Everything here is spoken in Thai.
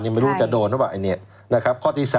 ยังไม่รู้จะโดนนะว่าอันนี้